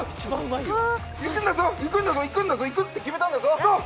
いくんだぞいくんだぞいくって決めたんだぞゴー！